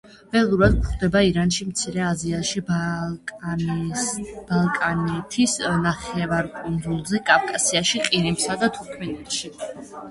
ველურად გვხვდება ირანში, მცირე აზიაში, ბალკანეთის ნახევარკუნძულზე, კავკასიაში, ყირიმსა და თურქმენეთში.